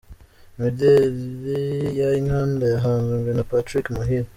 Imideli ya Inkanda-Yahanzwe na Patrick Muhire.